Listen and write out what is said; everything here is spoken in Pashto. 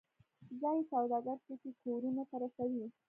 ځایی سوداګر توکي کورونو ته رسوي